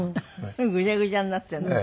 ぐちゃぐちゃになってるのね。